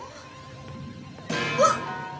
うわっ！